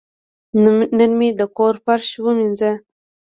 نن مې د کور فرش ووینځه.